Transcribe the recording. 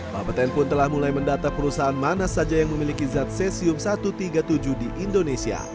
bapeten pun telah mulai mendata perusahaan mana saja yang memiliki zat cesium satu ratus tiga puluh tujuh di indonesia